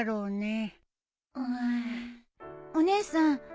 んお姉さん。